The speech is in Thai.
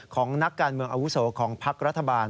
ของนักการเมืองอาวุโสของพักรัฐบาล